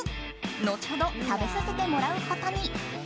後ほど食べさせてもらうことに。